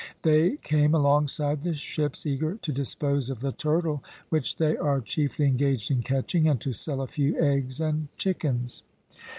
They came alongside the ships, eager to dispose of the turtle which they are chiefly engaged in catching, and to sell a few eggs and chickens.